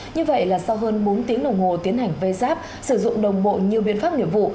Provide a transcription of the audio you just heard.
như vậy là sau hơn bốn tiếng đồng hồ tiến hành vây giáp sử dụng đồng bộ nhiều biên pháp nhiệm vụ